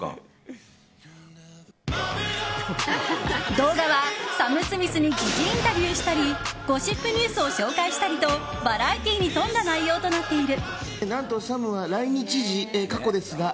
動画は、サム・スミスに擬似インタビューしたりゴシップニュースを紹介したりとバラエティーに富んだ内容となっている。